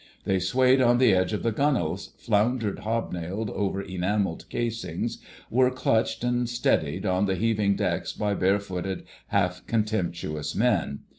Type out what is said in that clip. They swayed on the edge of the gunwales, floundered hobnailed over enamelled casings, were clutched and steadied on the heaving decks by barefooted, half contemptuous men.